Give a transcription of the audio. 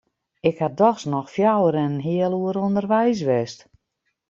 Ik ha dochs noch fjouwer en in heal oere ûnderweis west.